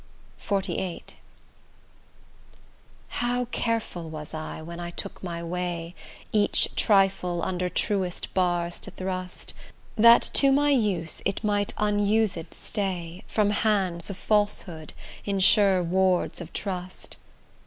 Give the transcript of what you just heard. XLVIII How careful was I when I took my way, Each trifle under truest bars to thrust, That to my use it might unused stay From hands of falsehood, in sure wards of trust!